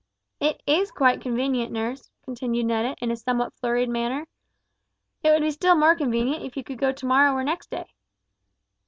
"It is quite convenient, nurse," continued Netta, in a somewhat flurried manner; "it would be still more convenient if you could go to morrow or next day."